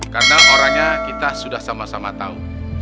karena orangnya kita sudah sama sama tahu